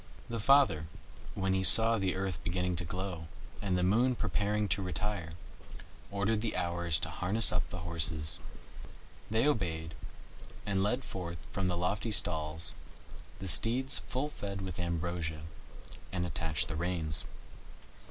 The father, when he saw the earth beginning to glow, and the Moon preparing to retire, ordered the Hours to harness up the horses. They obeyed, and led forth from the lofty stalls the steeds full fed with ambrosia, and attached the reins.